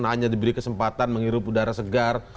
hanya diberi kesempatan menghirup udara segar